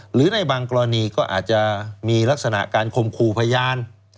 หรือในบางกรณีก็อาจจะมีลักษณะการข่มขู่พยาน